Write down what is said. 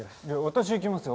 私行きますよ。